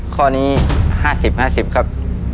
ข้อนี้๕๐๕๐ครับ